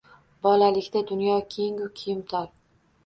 Bolalikda dunyo keng-u kiyim tor.